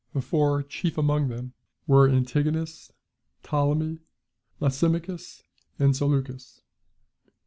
The four chief among them were Antigonus, Ptolemy, Lysimachus, and Seleucus.